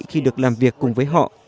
khi được làm việc cùng với họ